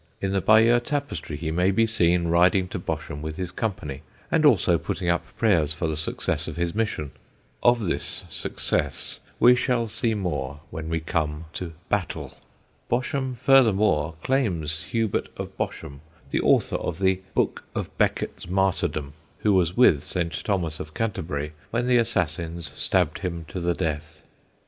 In the Bayeux tapestry he may be seen riding to Bosham with his company, and also putting up prayers for the success of his mission. Of this success we shall see more when we come to Battle. Bosham furthermore claims Hubert of Bosham, the author of the Book of Becket's Martyrdom, who was with Saint Thomas of Canterbury when the assassins stabbed him to the death.